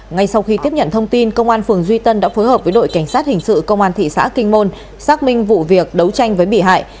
ngay sau khi tiếp nhận thông tin công an phường duy tân đã phối hợp với đội cảnh sát hình sự công an thị xã kinh môn xác minh vụ việc đấu tranh với bị hại